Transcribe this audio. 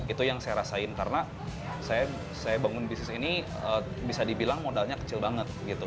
itu yang saya rasain karena saya bangun bisnis ini bisa dibilang modalnya kecil banget gitu